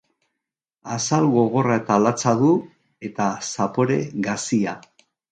Azal gogorra eta latza du, eta zapore gazia.